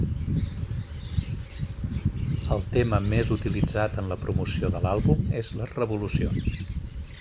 El tema més utilitzat en la promoció de l'àlbum és les revolucions.